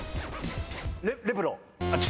レプロ。